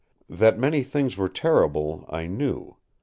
That many things were terrible, I knew.